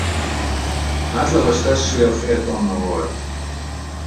Átlagos testsúlya fél tonna volt.